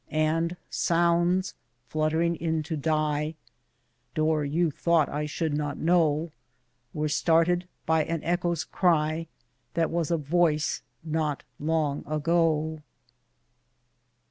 And sounds fluttering in to die (Door, you thought I should not know!) Were started by an echo s cry That was a voice not long ago.